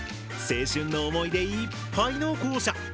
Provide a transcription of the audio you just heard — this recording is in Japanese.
青春の思い出いっぱいの校舎。